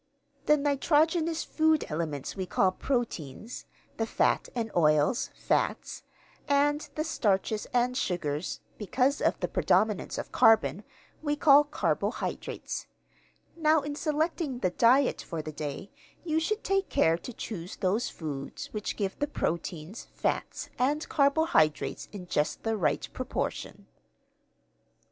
The nitrogenous food elements we call proteins; the fats and oils, fats; and the starches and sugars (because of the predominance of carbon), we call carbohydrates. Now in selecting the diet for the day you should take care to choose those foods which give the proteins, fats, and carbohydrates in just the right proportion.'"